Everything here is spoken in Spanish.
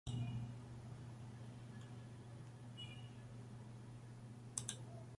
Jugó un total de veinte partidos con la selección de fútbol de Suecia.